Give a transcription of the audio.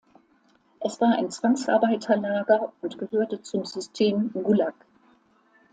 Es war ein Zwangsarbeiterlager und gehörte zum System Gulag.